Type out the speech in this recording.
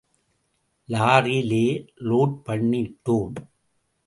லாரில load பண்ணிட்டோம்.